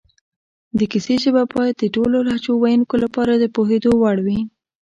د کیسې ژبه باید د ټولو لهجو ویونکو لپاره د پوهېدو وړ وي